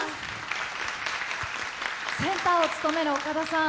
センターを務める岡田さん